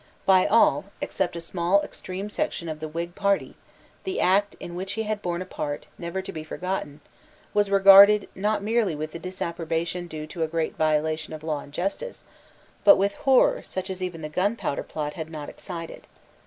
By all, except a small extreme section of the Whig party, the act, in which he had borne a part never to be forgotten, was regarded, not merely with the disapprobation due to a great violation of law and justice, but with horror such as even the Gunpowder Plot had not excited.